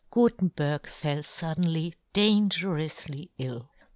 Gutenberg fell fud denly dangeroufly ill.